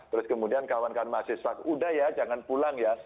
terus kemudian kawankan mahasiswa udah ya jangan pulang ya